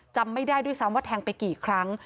จำไม่ได้ด้วยซ้ำว่าแทงไปกี่ครั้ง